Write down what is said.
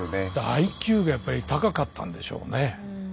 ＩＱがやっぱり高かったんでしょうね。